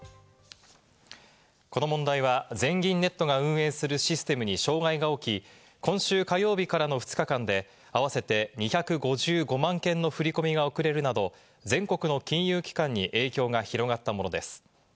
この問題は、全銀ネットが運営するシステムに障害が起き、今週火曜日からの２日間で合わせて２５５万件の振り込みが遅れるなど、全国の金融機関に影響が広がったものです。